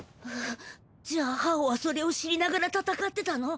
じゃあハオはそれを知りながら戦ってたの！？